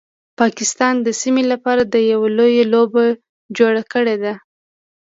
پاکستان د سیمې لپاره یو لویه لوبه جوړه کړیده